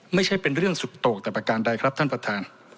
ไม่ใช่เป็นเรื่องสุดโตกแต่ประการใดครับท่านประธาน